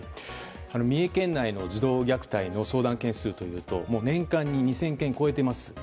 三重県内の児童虐待の相談件数というと年間に２０００件を超えています。